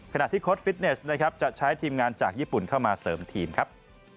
ที่โค้ดฟิตเนสนะครับจะใช้ทีมงานจากญี่ปุ่นเข้ามาเสริมทีมครับ